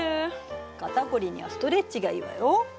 肩こりにはストレッチがいいわよ。